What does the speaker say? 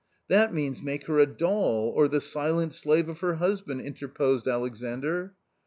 " That means, make her a doll, or the silent slave of her _ husband !" interposed Alexandr.